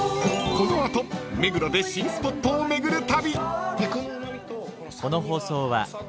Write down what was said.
［この後目黒で新スポットを巡る旅］